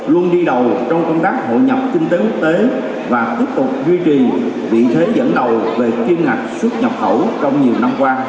luôn đi đầu trong công tác hội nhập kinh tế quốc tế và tiếp tục duy trì vị thế dẫn đầu về kim ngạch xuất nhập khẩu trong nhiều năm qua